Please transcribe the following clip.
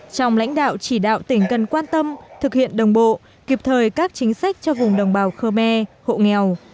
trong lãnh đạo chỉ đạo tỉnh cần quan tâm thực hiện đồng bộ kịp thời các chính sách cho vùng đồng bào khơ me hộ nghèo